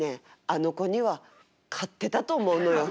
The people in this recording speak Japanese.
あの子には勝ってたと思うのよ。